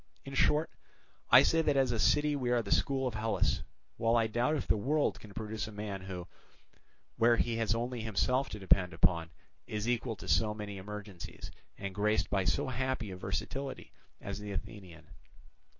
"In short, I say that as a city we are the school of Hellas, while I doubt if the world can produce a man who, where he has only himself to depend upon, is equal to so many emergencies, and graced by so happy a versatility, as the Athenian.